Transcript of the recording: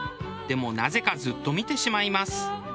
でもなぜかずっと見てしまいます。